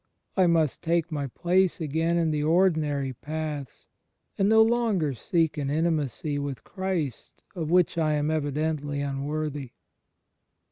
I must take my place again in the ordinary paths, and no longer seek an intimacy with Christ of which I am evidently imworthy."